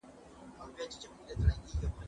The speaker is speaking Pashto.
که وخت وي، کتابتون ته راځم،